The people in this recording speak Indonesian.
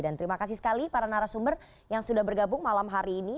dan terima kasih sekali para narasumber yang sudah bergabung malam hari ini